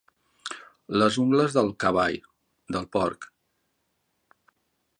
Les ungles del cavall, del porc.